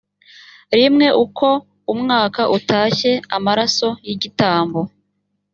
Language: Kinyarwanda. rimwe uko umwaka utashye amaraso y igitambo